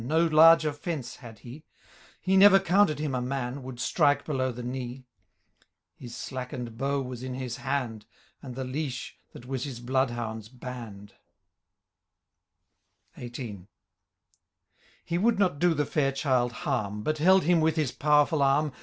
No larger fence had he ; He never counted him a man. Would strike below the knee :* His slackened bow was in his hand. And the leash, that was his blood hound*s hand XVIII. He would not jlo the &ir child harm. But held him with his powerful arm.